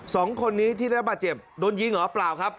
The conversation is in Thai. สองคนนี้ที่ระบาดเจ็บโดนยิงเหรอเปล่าครับ